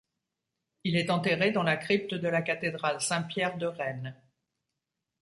Il est enterré dans la crypte de la cathédrale Saint-Pierre de Rennes.